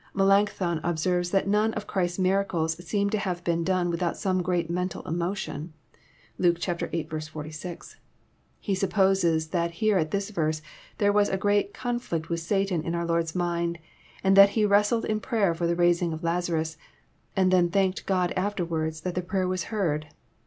Melancthon observes that none of Christ's miracles seem to have been done without some great mental emotion. (Luke viii. 46.) He supposes that here at this verse, there was a great conflict with Satan in our Lord's mind, and that He wrestled in prayer for the raising of Lazarus, and then thanked God afterwards that the prayer was heard.